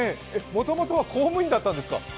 もともとは公務員だったんですか？